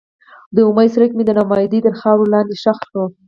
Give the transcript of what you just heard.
د امید څرک مې د ناامیدۍ تر خاورو لاندې ښخ شو.